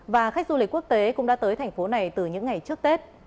và khách du lịch quốc tế cũng đã tới thành phố này từ những ngày trước tết